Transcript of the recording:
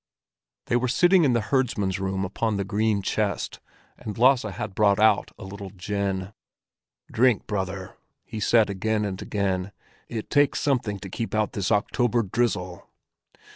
They were sitting in the herdsman's room upon the green chest, and Lasse had brought out a little gin. "Drink, brother!" he said again and again. "It takes something to keep out this October drizzle."